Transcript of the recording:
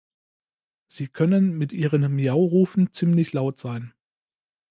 Sie können mit ihren "Miau"-Rufen ziemlich laut sein.